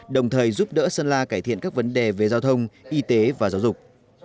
đồng thời giúp đỡ sơn la cải thiện các vấn đề về giao thông y tế và giáo dục